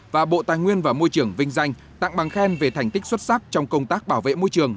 và bộ tài nguyên và môi trường vinh danh tặng bằng khen về thành tích xuất sắc trong công tác bảo vệ môi trường